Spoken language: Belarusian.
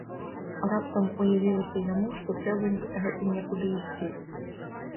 Раптам уявілася яму, што трэба гэта некуды ісці.